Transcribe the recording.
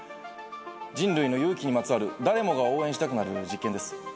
人類の勇気にまつわる誰もが応援したくなる実験です。